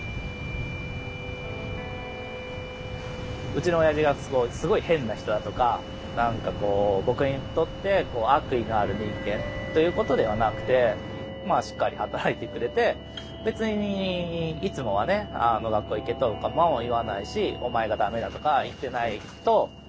うちのおやじがすごい変な人だとか何かこう僕にとって悪意のある人間ということではなくてしっかり働いてくれて別にいつもはね学校行けとかも言わないしお前が駄目だとか行ってないと大人になれないとかね